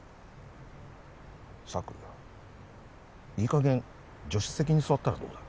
サクいいかげん助手席に座ったらどうだ？